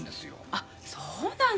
あっそうなの。